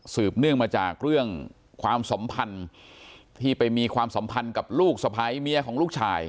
เนื่องมาจากเรื่องความสัมพันธ์ที่ไปมีความสัมพันธ์กับลูกสะพ้ายเมียของลูกชาย